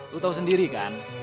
lu tau sendiri kan